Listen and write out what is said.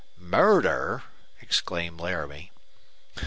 "Murder!" exclaimed Laramie.